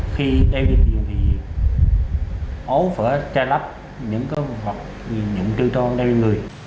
khi đeo điện tường thì